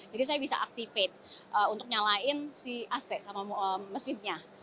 jadi saya bisa activate untuk nyalain si ac sama mesinnya